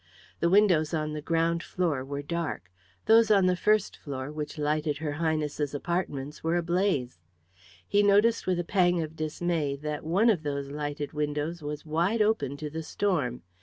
The windows on the ground floor were dark; those on the first floor which lighted her Highness's apartments were ablaze. He noticed with a pang of dismay that one of those lighted windows was wide open to the storm.